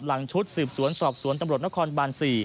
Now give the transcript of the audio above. หลังชุดสืบสวนสอบสวนตำรวจนครบาน๔